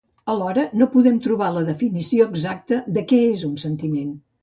Alhora, no poden trobar la definició exacta de què és un sentiment.